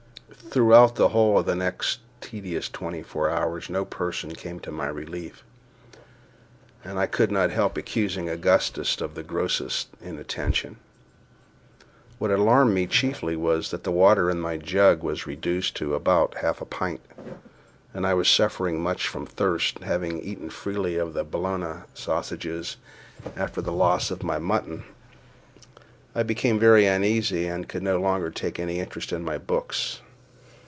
Throughout the whole of the next tedious twenty four hours no person came to my relief, and I could not help accusing Augustus of the grossest inattention. What alarmed me chiefly was, that the water in my jug was reduced to about half a pint, and I was suffering much from thirst, having eaten freely of the Bologna sausages after the loss of my mutton. I became very uneasy, and could no longer take any interest in my books.